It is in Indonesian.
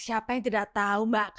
siapa yang tidak tahu mbak